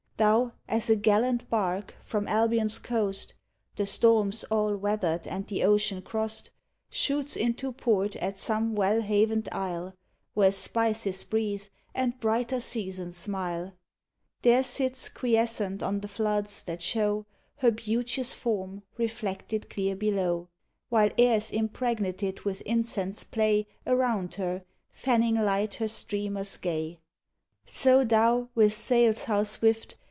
Thou— as a gallant bark, from Albion's coast. (The storms all weathered and the ocean crossed.) Shoots into port at some well havened isle. Where spices breathe and brighter seasons smile; There sits quiescent on the Hoods, that show Her beauteous form reflected clear below, While airs impregnated with incense play Around her. fanning light her streamers gay, — So thou, with sails how swift!